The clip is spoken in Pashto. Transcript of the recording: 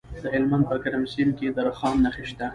د هلمند په ګرمسیر کې د رخام نښې شته.